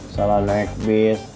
salah naik bis